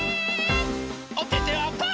おててはパー！